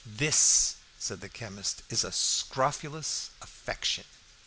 "This," said the chemist, "is a scrofulous affection."